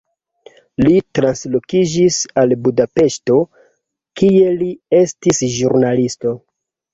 Li translokiĝis al Budapeŝto, kie li estis ĵurnalisto.